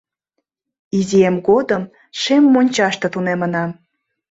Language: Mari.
Изиэм годым шем мончаште тунемынам.